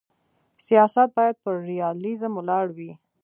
سیاست باید پر ریالیزم ولاړ وي.